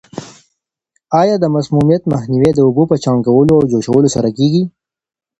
آیا د مسمومیت مخنیوی د اوبو په چاڼ کولو او جوشولو سره کیږي؟